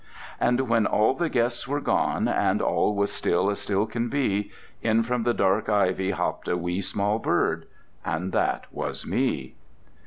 And when all the guests were gone, and All was still as still can be, In from the dark ivy hopped a Wee small bird: and that was Me.